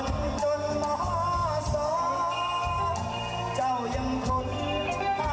และเจ็บจากราวรักเกิดเธอเอารักแค่ปัญญา